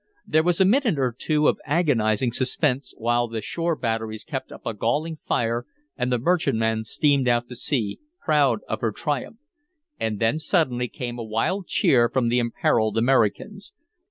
There was a minute or two of agonizing suspense, while the shore batteries kept up a galling fire and the merchantman steamed out to sea, proud of her triumph. And then suddenly came a wild cheer from the imperiled Americans.